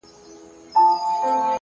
هره ورځ د نوې هڅې بلنه ده